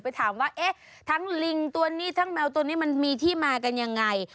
ถามว่าเอ๊ะทั้งลิงตัวนี้ทั้งแมวตัวนี้มันมีที่มากันยังไง